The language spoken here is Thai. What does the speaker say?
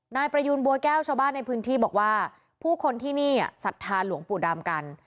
นายประยูนบัวแก้วชาวบ้านในพื้นที่บอกว่าผู้คนที่นี่ศรัทธาหลวงปู่ดำกัน